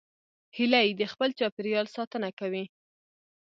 هیلۍ د خپل چاپېریال ساتنه کوي